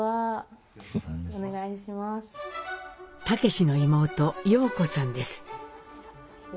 武司の妹葉子さんです。